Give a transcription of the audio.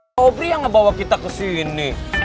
gopi yang ngebawa kita kesini